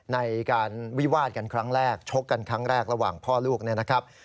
ในการวิวาดกันครั้งแรกชกกันครั้งแรกระหว่างพ่อลูกเนี่ยนะครับ